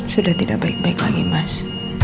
sudah tidak baik baik lagi mas